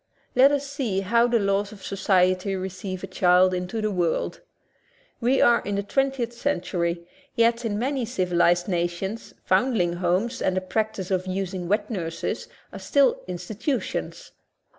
Let us see how the laws of society receive a child into the world. We are in the twen tieth century, yet in many civilized nations foundling homes and the practice of using wet nurses are still institutions.